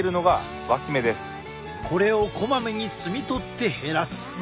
これをこまめに摘み取って減らす。